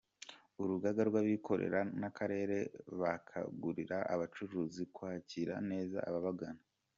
Urugaga rw’abikorera n’Akarere bakangurira abacuruzi kwakira neza ababagana.